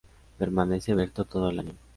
Permanece abierto todo el año.